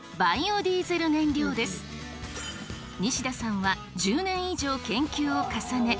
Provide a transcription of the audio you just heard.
西田さんは１０年以上研究を重ね